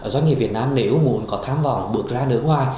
doanh nghiệp việt nam nếu muốn có tham vọng bước ra nước ngoài